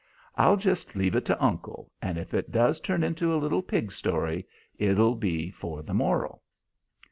"I'll just leave it to uncle, and if it does turn into a little pig story, it'll be for the moral."